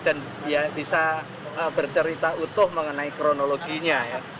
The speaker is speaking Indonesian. dan dia bisa bercerita utuh mengenai kronologinya ya